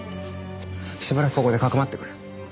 しばらくここでかくまってくれ。